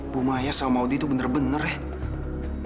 bu maya sama udi tuh bener bener ya